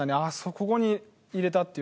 ここにいれたっていう。